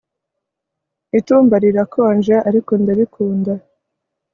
Itumba rirakonje ariko ndabikunda